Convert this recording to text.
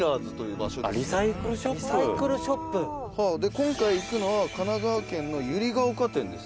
二階堂：「今回行くのは神奈川県の百合ヶ丘店です」